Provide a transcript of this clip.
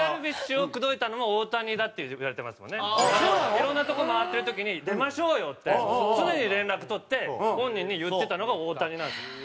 いろんなとこ回ってる時に「出ましょうよ」って常に連絡取って本人に言ってたのが大谷なんですよ。